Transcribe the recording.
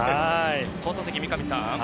放送席、三上さん。